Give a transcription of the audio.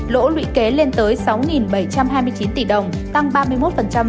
lỗ lụy kế lên tới sáu bảy trăm hai mươi chín tỷ đồng tăng ba mươi một so với năm hai nghìn một mươi chín